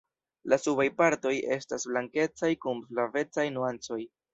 La subaj partoj estas blankecaj kun flavecaj nuancoj.